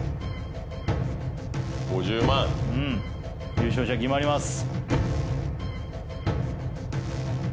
５０万うん優勝者決まります